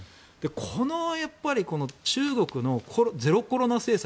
この中国のゼロコロナ政策